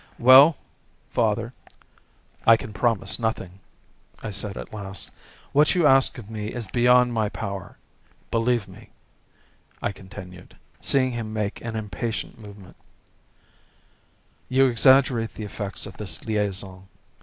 "Well, father, I can promise nothing," I said at last; "what you ask of me is beyond my power. Believe me," I continued, seeing him make an impatient movement, "you exaggerate the effects of this liaison.